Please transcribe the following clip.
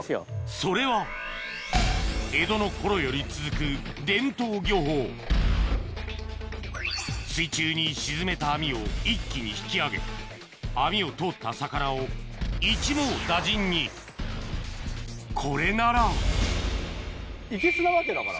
それは江戸の頃より続く水中に沈めた網を一気に引き上げ網を通った魚をこれならいけすなわけだから。